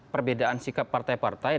perbedaan sikap partai partai